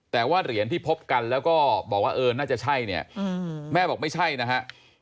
แต่ว่าเหรียญที่พบกันแล้วก็บอกว่าเออน่าจะใช่เนี่ยแม่บอกไม่ใช่นะฮะ